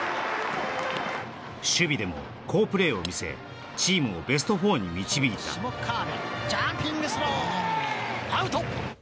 守備でも好プレーを見せチームをベスト４に導いた下川邊ジャンピングスローアウト！